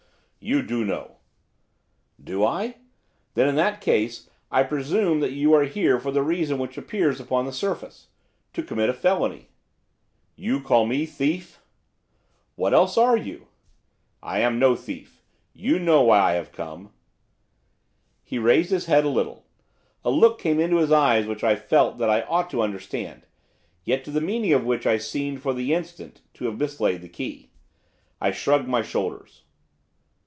'You do know.' 'Do I? Then, in that case, I presume that you are here for the reason which appears upon the surface, to commit a felony.' 'You call me thief?' 'What else are you?' 'I am no thief. You know why I have come.' He raised his head a little. A look came into his eyes which I felt that I ought to understand, yet to the meaning of which I seemed, for the instant, to have mislaid the key. I shrugged my shoulders.